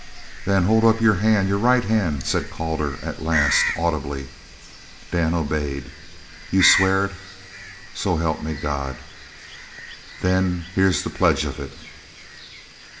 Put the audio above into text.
"Then hold up your hand, your right hand," said Calder at last, audibly. Dan obeyed. "You swear it?" "So help me God!" "Then here's the pledge of it!"